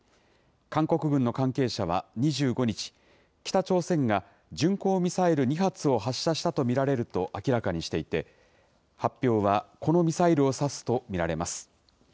韓国軍の関係者は２５日、北朝鮮が巡航ミサイル２発を発射したと見られると明らかにしていて、発表はこのミサイルを指すと見られます。